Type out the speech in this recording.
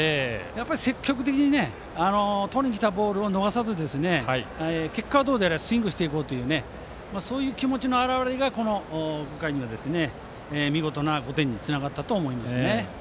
積極的にとりにきたボールを逃さず、結果はどうであれスイングしていこうというそういう気持ちの表れがこの５回には見事な５点につながったと思います。